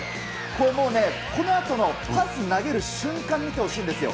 このね、このあとのパス投げる瞬間見てほしいんですよ。